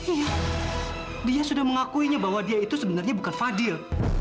iya dia sudah mengakuinya bahwa dia itu sebenarnya bukan fadil